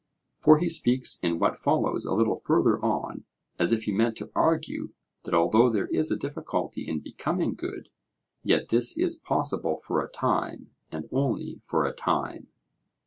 For he speaks in what follows a little further on as if he meant to argue that although there is a difficulty in becoming good, yet this is possible for a time, and only for a time.